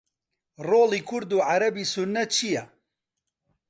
ڕۆڵی کورد و عەرەبی سوننە چییە؟